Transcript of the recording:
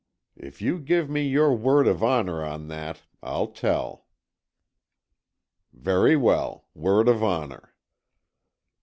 "If you give me your word of honour on that, I'll tell." "Very well, word of honour."